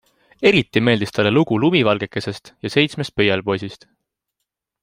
Eriti meeldis talle lugu Lumivalgekesest ja seitsmest pöialpoisist.